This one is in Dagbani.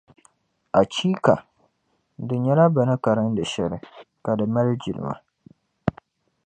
Achiika! Di nyɛla bɛ ni karindi shεli, ka di mali jilma.